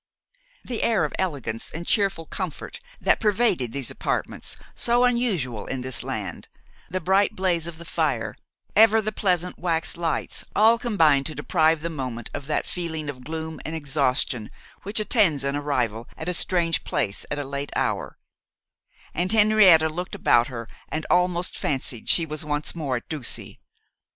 The air of elegance and cheerful comfort that pervaded these apartments, so unusual in this land, the bright blaze of the fire, evert the pleasant wax lights, all combined to deprive the moment of that feeling of gloom and exhaustion which attends an arrival at a strange place at a late hour, and Henrietta looked around her, and almost fancied she was once more at Ducie.